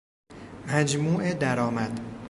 مجموع درآمد